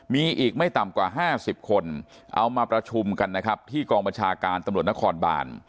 มีอีกไม่ต่ำกว่า๕๐คนเอามาประชุมกันนะครับที่กองบัญชาการตำรวจนครบาน